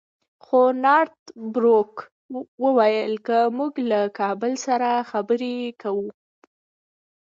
خو نارت بروک وویل که موږ له کابل سره خبرې کوو.